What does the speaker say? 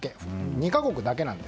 ２か国だけなんです。